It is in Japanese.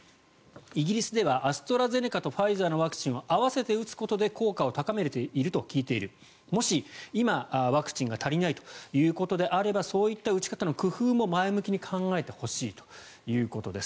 イギリスではアストラゼネカとファイザーのワクチンを合わせて打つことで効果を高めていると聞いているもし、今ワクチンが足りないということであればそういった打ち方の工夫も前向きに考えてほしいということです。